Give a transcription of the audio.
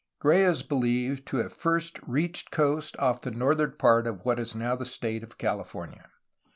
Gray is believed to have first reached coast off the northern part of what is now the state of California.